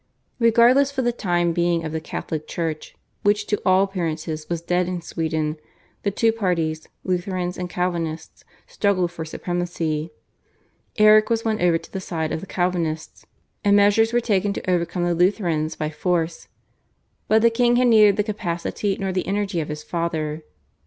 Regardless for the time being of the Catholic Church, which to all appearances was dead in Sweden, the two parties, Lutherans and Calvinists, struggled for supremacy. Erik was won over to the side of the Calvinists, and measures were taken to overcome the Lutherans by force, but the king had neither the capacity nor the energy of his father.